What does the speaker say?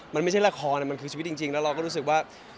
มันไม่ใช่ละครมันคือชีวิตจริงแล้วเราก็รู้สึกว่า